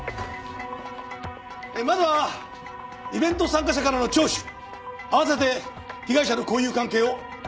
まずはイベント参加者からの聴取併せて被害者の交友関係を徹底的に洗う。